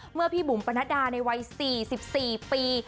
เมื่อพี่บุ๋มปรณดาในวัย๔๔ปี